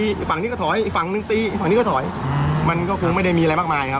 อีกฝั่งนี้ก็ถอยอีกฝั่งนึงตีฝั่งนี้ก็ถอยมันก็คงไม่ได้มีอะไรมากมายครับ